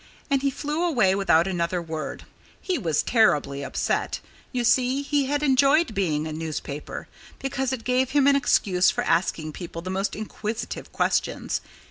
And he flew away without another word. He was terribly upset. You see, he had enjoyed being a newspaper, because it gave him an excuse for asking people the most inquisitive questions.